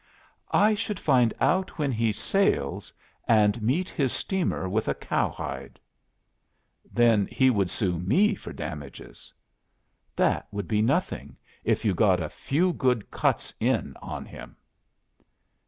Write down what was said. "'I should find out when he sails, and meet his steamer with a cowhide.'" "'Then he would sue me for damages.'" "'That would be nothing, if you got a few good cuts in on him.